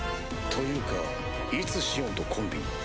というかいつシオンとコンビに？